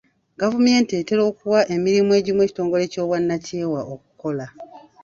Gavumenti etera okuwa emirimu egimu ekitongole ky'obwannakyewa okukola.